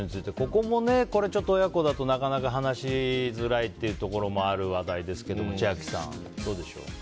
ここも、親子だとなかなか話しづらいところもある話題ですけど千秋さん、どうでしょう。